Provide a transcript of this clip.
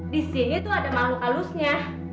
di sini tuh ada makhluk halusnya